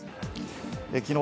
きのう